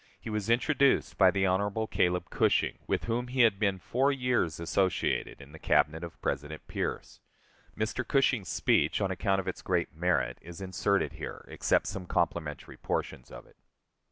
He was introduced by the Hon. Caleb Cushing, with whom he had been four years associated in the Cabinet of President Pierce. Mr. Cushing's speech, on account of its great merit, is inserted here, except some complimentary portions of it.